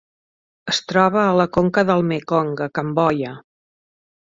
Es troba a la conca del Mekong a Cambodja.